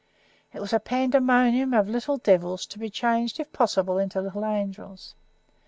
It was a pandemonium of little devils, to be changed, if possible, into little angels.